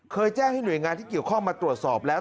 แจ้งให้หน่วยงานที่เกี่ยวข้องมาตรวจสอบแล้ว